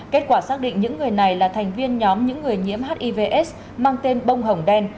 kết quả xác định những người này là thành viên nhóm những người nhiễm hivs mang tên bông hồng đen